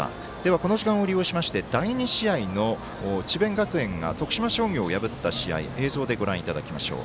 この時間を利用しまして第２試合の智弁学園が徳島商業を破った試合映像でご覧いただきましょう。